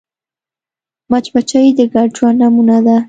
مچمچۍ د ګډ ژوند نمونه ده